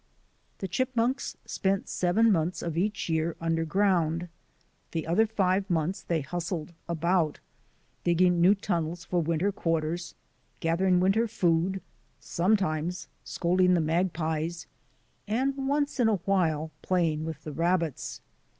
The chipmunks spent seven months of each year underground. The other five months they hustled about digging new tunnels for winter quarters, gathering winter food, sometimes scolding the mag pies, and once in a while playing with the rab bits.